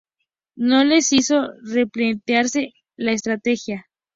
no les hizo replantearse la estrategia